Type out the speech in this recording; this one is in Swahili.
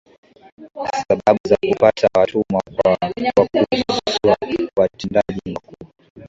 kwa shabaha za kupata watumwa wa kuuzwa Watendaji wakuu